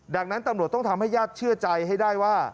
ดังนั้นตำรวจต้องทำให้ญาติเชื่อใจให้ได้ว่า